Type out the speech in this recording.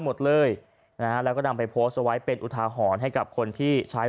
หมดเลยนะฮะแล้วก็นำไปโพสต์เอาไว้เป็นอุทาหรณ์ให้กับคนที่ใช้